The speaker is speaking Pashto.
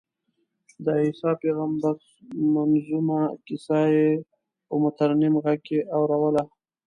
د عیسی پېغمبر منظمومه کیسه یې په مترنم غږ کې اورووله.